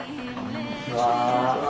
こんにちは。